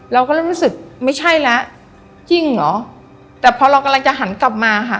เราก็เริ่มรู้สึกไม่ใช่แล้วจริงเหรอแต่พอเรากำลังจะหันกลับมาค่ะ